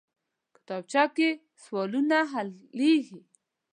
کتابچه کې سوالونه حلېږي